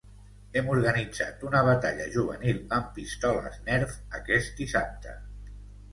Hem organitzat una batalla juvenil amb pistoles Nerf aquest dissabte.